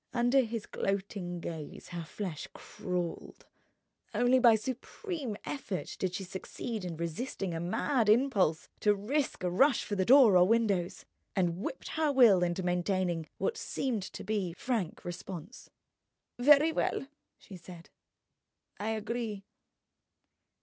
Under his gloating gaze her flesh crawled. Only by supreme effort did she succeed in resisting a mad impulse to risk a rush for door or windows, and whipped her will into maintaining what seemed to be frank response. "Very well," she said; "I agree."